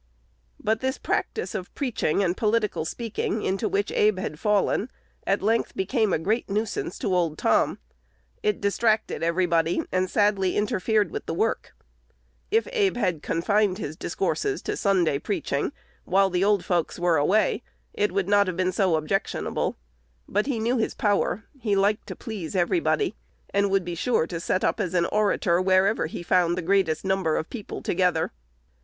But this practice of "preaching" and political speaking, into which Abe had fallen, at length became a great nuisance to old, Tom. It distracted everybody, and sadly interfered with the work. If Abe had confined his discourses to Sunday preaching, while the old folks were away, it would not have been so objectionable. But he knew his power, liked to please everybody, and would be sure to set up as an orator wherever he found the greatest number of people together.